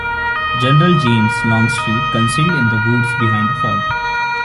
General James Longstreet concealed in the woods behind the ford.